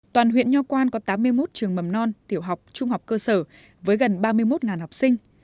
toàn huyện nho quan có tám mươi một trường mầm non tiểu học trung học cơ sở với gần ba mươi một học sinh